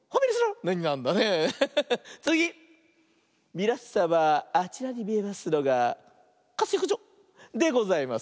みなさまあちらにみえますのが「かすよくじょ」でございます。